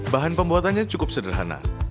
bahan pembuatannya cukup sederhana